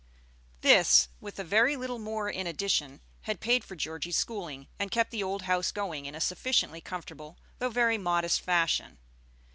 This, with a very little more in addition, had paid for Georgie's schooling, and kept the old house going in a sufficiently comfortable though very modest fashion.